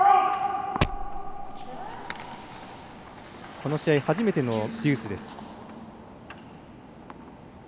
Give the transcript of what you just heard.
この試合初めてのデュースです。